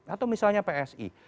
atau misalnya psi